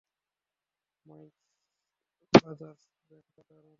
Miles brother, ব্যান্ডটা দারুণ!